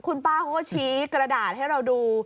คุณป้าเขาก็ชี้กระดาษให้เราดู